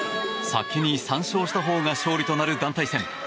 先に３勝したほうが勝利となる団体戦。